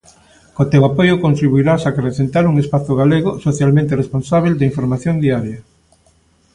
Co teu apoio contribuirás a acrecentar un espazo galego socialmente responsábel de información diaria.